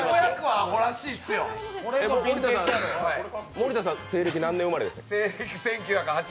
森田さん、西暦何年生まれですか。